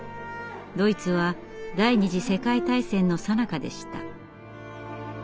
ドイツは第二次世界大戦のさなかでした。